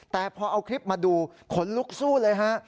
แต่พอเอาคลิปมาดูขนลุกสู้เลยฮะ